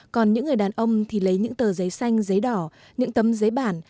còn những người đàn ông thì lấy những tờ giấy xanh giấy đỏ những tấm giấy bản